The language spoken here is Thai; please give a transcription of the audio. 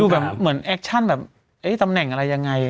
คือแบบเหมือนแอคชั่นแบบตำแหน่งอะไรยังไง